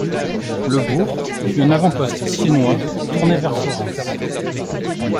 Le bourg fut un avant-poste siennois tourné vers Florence.